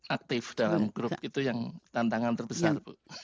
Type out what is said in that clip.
aktif dalam grup itu yang tantangan terbesar bu